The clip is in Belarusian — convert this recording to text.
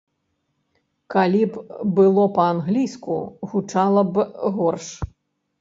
Калі б было па-англійску, гучала б горш.